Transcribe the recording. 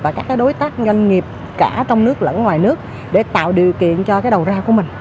và các đối tác doanh nghiệp cả trong nước lẫn ngoài nước để tạo điều kiện cho cái đầu ra của mình